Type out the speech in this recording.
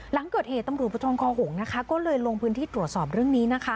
หลังเกิดเหตุตำรวจผู้ทรมานก็เลยลงพื้นที่ตรวจสอบเรื่องนี้